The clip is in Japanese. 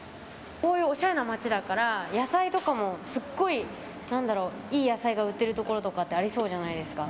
こういうおしゃれな街だから野菜とかもすごいいい野菜が売ってるところとかありそうじゃないですか。